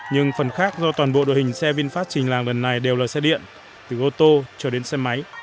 nhưng phần khác do toàn bộ đội hình xe vinfast trình làng lần này đều là xe điện từ ô tô cho đến xe máy